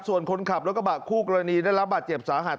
ส่วนคนขับรถกระบะคู่กรณีได้รับบาดเจ็บสาหัส